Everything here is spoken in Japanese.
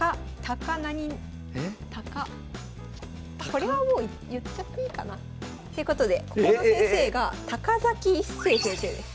これはもう言っちゃっていいかな？ということでここの先生が一生先生です。